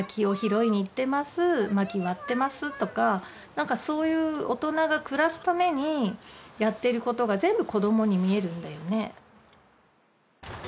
まき割ってますとか何かそういう大人が暮らすためにやっていることが全部子どもに見えるんだよね。